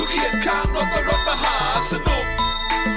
อยู่เอียดข้างรถก็รถมหาสนุก